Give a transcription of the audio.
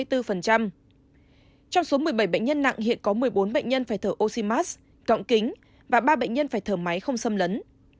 trong số một mươi bảy bệnh nhân nặng hiện có một mươi bốn bệnh nhân phải thở oxy mars cọng kính và ba bệnh nhân phải thở máy không xâm lấn